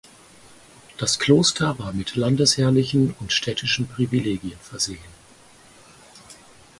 Das Kloster war mit landesherrlichen und städtischen Privilegien versehen.